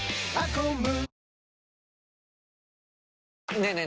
ねえねえ